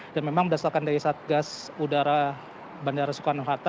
dan memang berdasarkan dari satgas udara bandara soekarno hatta